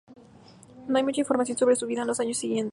No hay mucha información sobre su vida en los años siguientes.